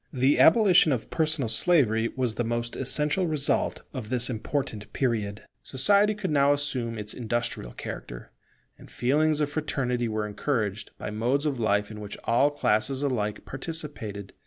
The abolition of personal slavery was the most essential result of this important period. Society could now assume its industrial character; and feelings of fraternity were encouraged by modes of life in which all classes alike participated.